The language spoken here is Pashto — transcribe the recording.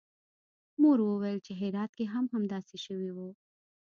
مور ویل چې هرات کې هم همداسې شوي وو